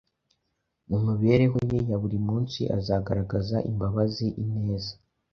mu mibereho ye ya buri munsi azagaragaza imbabazi, ineza,